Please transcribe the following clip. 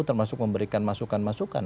termasuk memberikan masukan masukan